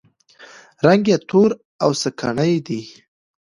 رنګ یې تور او سکڼۍ دی.